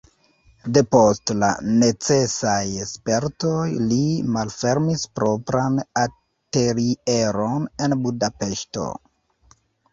Depost la necesaj spertoj li malfermis propran atelieron en Budapeŝto.